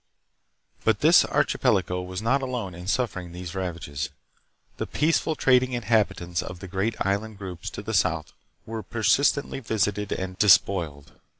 But this archipelago was not alone in suffering these ravages. The peaceful trading inhabitants of the great island groups to the south were persistently visited and despoiled.